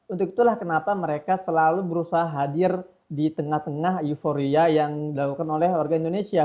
untuk itulah kenapa mereka selalu berusaha hadir di tengah tengah euforia yang dilakukan oleh warga indonesia